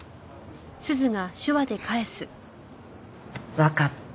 わかった。